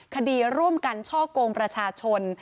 คดีร่วมกันช่อกงประชาชน